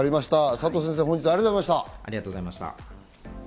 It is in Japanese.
佐藤先生、本日はありがとうございました。